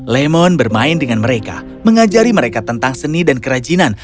lemon bermain dengan mereka mengajari mereka tentang seni dan kerajinan